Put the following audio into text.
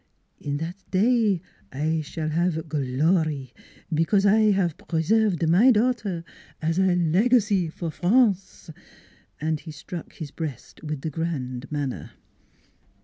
In that day I shall have glory because I have pre served my daughter as a legacy for France !" And he struck his breast with the grand manner.